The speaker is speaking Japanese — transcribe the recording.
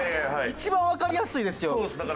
一番わかりやすいですよ。